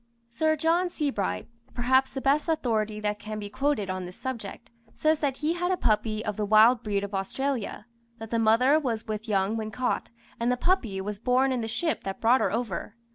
Sir John Sebright, perhaps the best authority that can be quoted on this subject, says that he had a puppy of the wild breed of Australia; that the mother was with young when caught, and the puppy was born in the ship that brought her over.